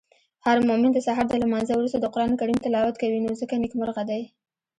هرمومن د سهار د لمانځه وروسته د قرانکریم تلاوت کوی نو ځکه نیکمرغه دی.